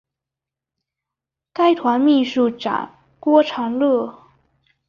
该团秘书长郭长乐。